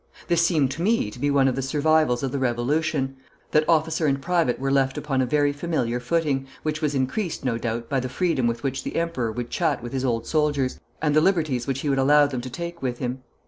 This seemed to me to be one of the survivals of the Revolution, that officer and private were left, upon a very familiar footing, which was increased, no doubt, by the freedom with which the Emperor would chat with his old soldiers, and the liberties which he would allow them to take with him.